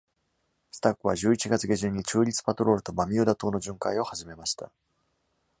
スタックは、十一月下旬に中立パトロールとバミューダ島の巡回を始めました。